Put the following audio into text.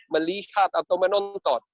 melihat atau menonton